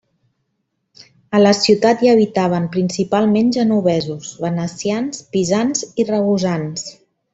A la ciutat hi habitaven principalment genovesos, venecians, pisans i ragusans.